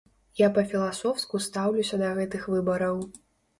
Я па-філасофску стаўлюся да гэтых выбараў.